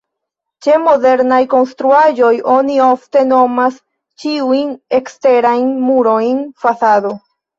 Ĉe modernaj konstruaĵoj oni ofte nomas ĉiujn eksterajn murojn fasado.